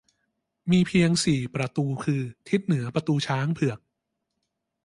มีเพียงสี่ประตูคือ ทิศเหนือประตูช้างเผือก